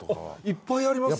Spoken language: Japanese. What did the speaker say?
いっぱいありますよ。